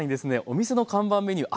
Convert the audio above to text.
お店の看板メニュー